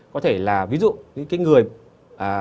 có thể là ví dụ những người nhà mà chúng ta có